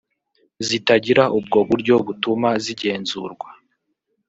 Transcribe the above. zitagira ubwo buryo butuma zigenzurwa